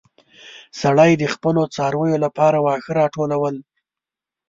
سړی د خپلو څارويو لپاره واښه راټولول.